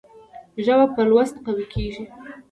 ژبه په لوست قوي کېږي.